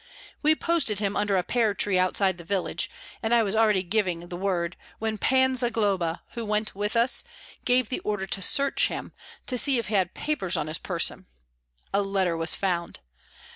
We posted him under a pear tree outside the village, and I was already giving the word, when Pan Zagloba, who went with us, gave the order to search him, to see if he had papers on his person. A letter was found.